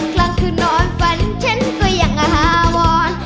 ครั้งคืนนอนฝันฉันก็อย่างอาหาวอน